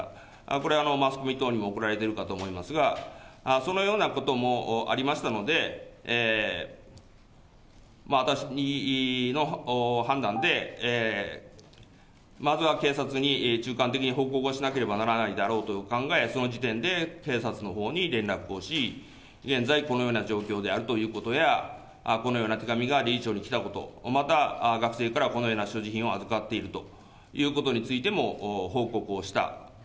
これ、マスコミ等にも送られているかと思いますが、そのようなこともありましたので、私の判断でまずは警察に中間的に報告をしなければならないだろうと考え、その時点で警察のほうに連絡をし、現在、このような状況であるということや、このような手紙が理事長に来たこと、また学生からこのような所持品を預かっているということについても報告をした。